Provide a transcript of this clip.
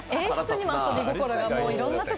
演出にも遊び心が。